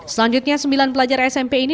selanjutnya sembilan pelajar smp ini